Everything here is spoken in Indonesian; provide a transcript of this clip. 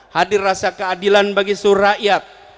hadir rasa keadilan bagi surayat